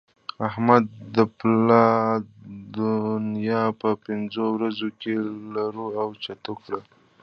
احمد د پلا دونيا په پنځو ورځو کې لړو او چټو کړه.